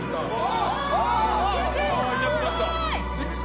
いなくなった。